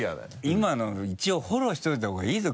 今の一応フォローしておいたほうがいいぞ！